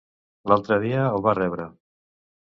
L'altre dia el va rebre.